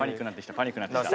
パニックになってきた！